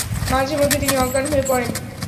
মাঝে মধ্যে তিনি অজ্ঞান হয়ে পড়েন।